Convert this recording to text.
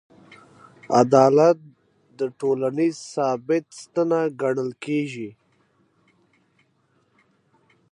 عدالت د ټولنیز ثبات ستنه ګڼل کېږي.